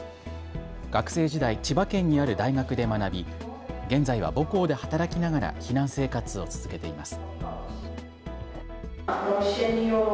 学生時代、千葉県にある大学で学び現在は母校で働きながら避難生活を続けています。